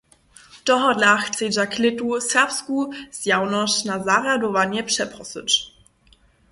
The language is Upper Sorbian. Tohodla chcedźa klětu serbsku zjawnosć na zarjadowanje přeprosyć.